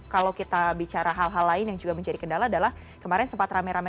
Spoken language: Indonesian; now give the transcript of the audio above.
kalau kita bicara hal hal lain yang juga menjadi kendala adalah kemarin sempat rame rame